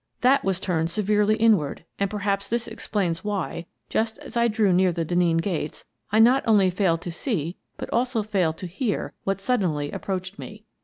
That was turned severely inward and perhaps this ex plains why, just as I drew near the Denneen gates, I not only failed to see, but also failed to hear, what suddenly approached me.